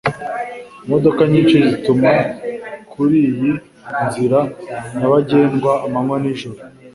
Imodoka nyinshi zihuta kuriyi nzira nyabagendwa amanywa n'ijoro.